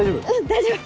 大丈夫。